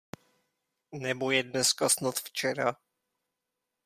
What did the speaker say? Nebo je dneska snad včera?